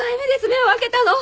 目を開けたの！